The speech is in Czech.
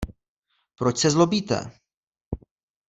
Proč se zlobíte?